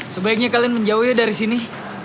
sebaiknya kalian menjauh ya dari sini